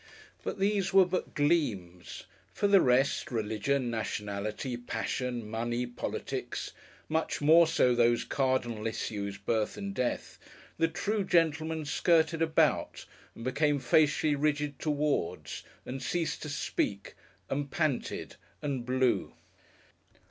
But these were but gleams. For the rest, Religion, Nationality, Passion, Money, Politics; much more so those cardinal issues, Birth and Death, the True Gentleman skirted about, and became facially rigid towards and ceased to speak and panted and blew.